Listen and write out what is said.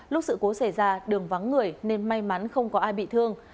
lúc sự cố xảy ra đường vắng người nên may mắn không có ai bị thương